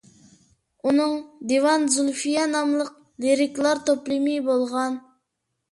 ئۇنىڭ «دىۋان زۇلفىيە» ناملىق لىرىكىلار توپلىمى بولغان.